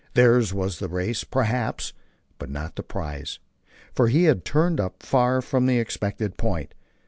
Theirs was the race, perhaps, but not the prize, for he had turned up far from the expected point.